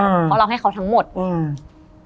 เพราะเราให้เขาทั้งหมดอืม